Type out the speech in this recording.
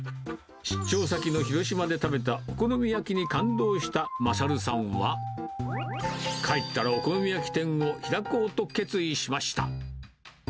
出張先の広島で食べたお好み焼きに感動した賢さんは、帰ったらお好み焼き店を開こうと決意しました。